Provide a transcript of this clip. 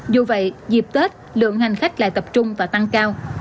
dù vậy dịp tết lượng hành khách lại tập trung và tăng cao